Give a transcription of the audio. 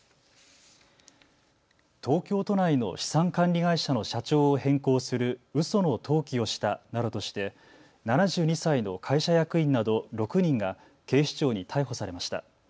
東京都内の資産管理会社の社長を変更するうその登記をしたなどとして７２歳の会社役員など６人が警視庁に逮捕されました。